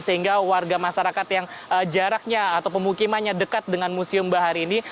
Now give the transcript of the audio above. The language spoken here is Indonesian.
sehingga warga masyarakat yang jaraknya atau pemukimannya dekat dengan museum bahari ini